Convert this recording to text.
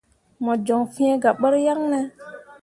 Mo joŋ fĩĩ gah ɓur yaŋne ?